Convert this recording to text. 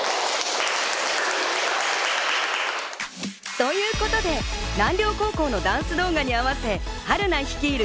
ということで南稜高校のダンス動画に合わせ、春菜率いる